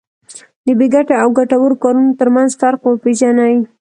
د بې ګټې او ګټورو کارونو ترمنځ فرق وپېژني.